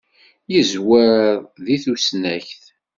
Yeẓwer deg tusnakt.